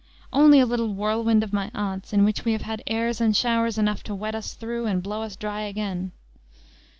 "Only a little whirlwind of my aunt's, in which we have had airs and showers enough to wet us through and blow us dry again."